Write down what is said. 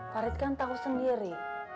farid kan tau sendiri